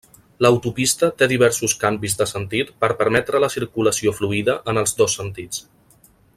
L'autopista té diversos canvis de sentit per permetre la circulació fluida en els dos sentits.